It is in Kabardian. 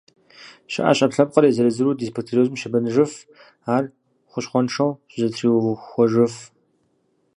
Щыӏэщ ӏэпкълъэпкъыр езыр-езыру дисбактериозым щебэныжыф, ар хущхъуэншэу щызэтриухуэжыф.